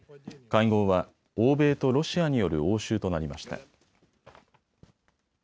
会合は欧米とロシアによる応酬となりました。